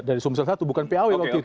dari sumsel satu bukan paw waktu itu